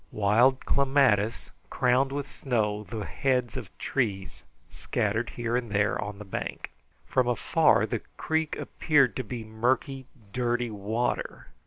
Wild clematis crowned with snow the heads of trees scattered here and there on the bank. From afar the creek appeared to be murky, dirty water.